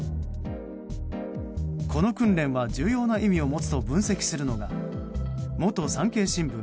この訓練は重要な意味を持つと分析するのが元産経新聞